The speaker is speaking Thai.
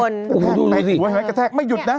โอ้โฮดูไหนดูไหนกระแทกไม่หยุดนะ